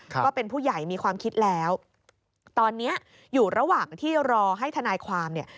ก็เป็นผู้ใหญ่มีความคิดแล้วตอนนี้อยู่ระหว่างที่รอให้ทนายความเนี่ย